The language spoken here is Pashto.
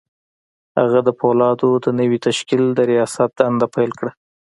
هغه د پولادو د نوي تشکيل د رياست دنده پيل کړه.